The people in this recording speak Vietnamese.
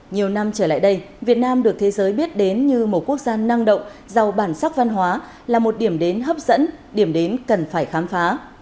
nhiều năm trở lại đây việt nam được thế giới biết đến như một quốc gia năng động giàu bản sắc văn hóa là một điểm đến hấp dẫn điểm đến cần phải khám phá